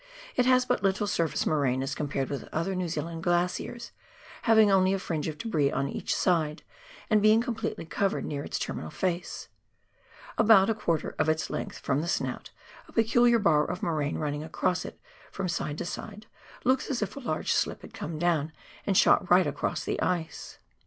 It has but little surface moraine as compared with other New Zealand glaciers, having only a fringe of debris on each side and being completely covered near its terminal face. About a quarter of its length from the snout a peculiar bar of moraine running across it from side to side looks as if a large slip had come down and shot right across the ioe.